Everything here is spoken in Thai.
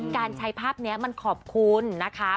การใช้ภาพนี้มันขอบคุณนะคะ